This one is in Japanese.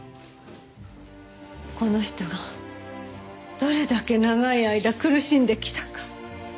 この人がどれだけ長い間苦しんできたか。